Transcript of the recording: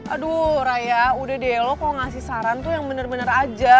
aduh raya udah deh lo kalo ngasih saran tuh yang bener bener aja